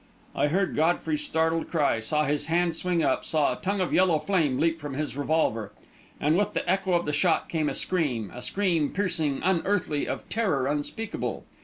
I heard Godfrey's startled cry, saw his hand swing up, saw a tongue of yellow flame leap from his revolver. And with the echo of the shot, came a scream a scream piercing, unearthly, of terror unspeakable....